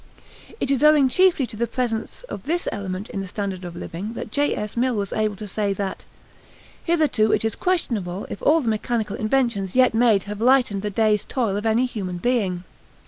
It is owing chiefly to the presence of this element in the standard of living that J. S. Mill was able to say that "hitherto it is questionable if all the mechanical inventions yet made have lightened the day's toil of any human being."